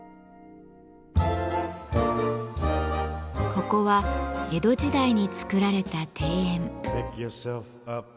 ここは江戸時代に造られた庭園。